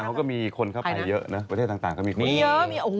ขึ้นท้ายต่างก็มีคนเข้าไปเยอะเนอะ